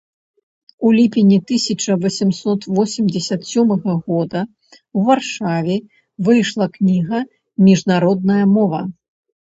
У ліпені тысяча восемсот восемдзесят сёмага года ў Варшаве выйшла кніга «Міжнародная мова.